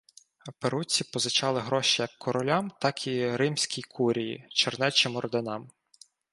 Перуцці позичали гроші як королям, так і римській курії, чернечим орденам.